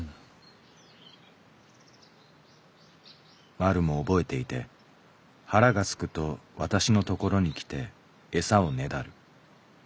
「まるも覚えていて腹がすくと私のところに来て餌をねだる。